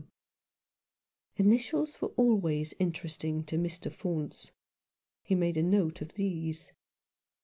W." Initials were always interesting to Mr. Faunce. He made a note of these.